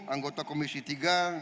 anggota komisi tiga